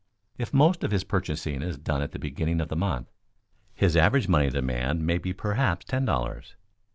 If most of his purchasing is done at the beginning of the month, his average money demand may be perhaps ten dollars.